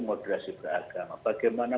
moderasi beragama bagaimana